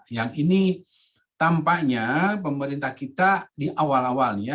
yang ini tampaknya pemerintah kita di awal awalnya